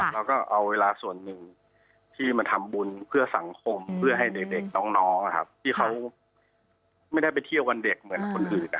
เราก็เอาเวลาส่วนหนึ่งที่มาทำบุญเพื่อสังคมเพื่อให้เด็กน้องที่เขาไม่ได้ไปเที่ยววันเด็กเหมือนคนอื่น